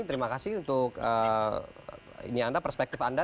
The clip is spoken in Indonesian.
terima kasih untuk perspektif anda